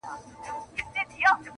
چي قاضي څه کوي زه ډېر په شرمېږم,